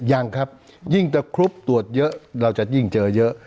ยังครับยิ่งตะครุบตรวจเยอะเราจะยิ่งเจอเยอะ